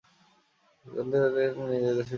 গান্ধীর তাগিদে তিনি নিজের দেশে ফিরে এসেছিলেন।